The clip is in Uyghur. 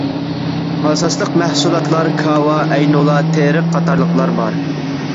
ئاساسلىق مەھسۇلاتلار كاۋا، ئەينۇلا، تېرىق قاتارلىقلار بار.